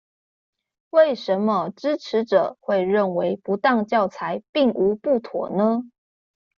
為什麼支持者會認為不當教材並無不妥呢？